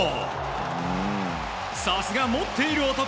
さすが持っている男！